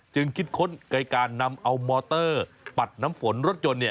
คิดค้นในการนำเอามอเตอร์ปัดน้ำฝนรถยนต์